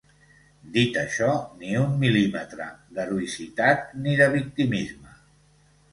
Dit això, ni un mil·límetre d’heroïcitat ni de victimisme.